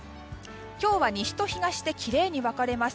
今日は西と東できれいに分かれます。